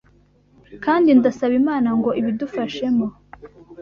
kandi ndasaba Imana ngo ibidufashemo.